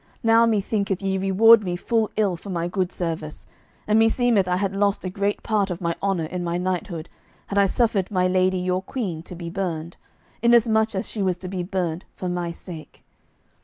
Now me thinketh ye reward me full ill for my good service, and me seemeth I had lost a great part of my honour in my knighthood, had I suffered my lady your queen to be burned, inasmuch as she was to be burned for my sake.